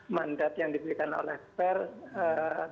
mandat yang diberikan oleh pers